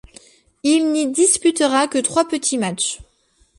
Il n'y disputera que trois petits matchs.